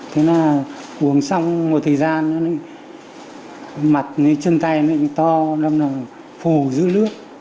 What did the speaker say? thế là uống xong một thời gian mặt với chân tay nó to phù giữ nước